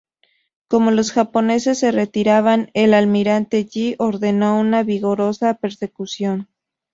Como los japoneses se retiraban, el almirante Yi ordenó una vigorosa persecución.